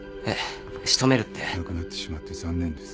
亡くなってしまって残念です。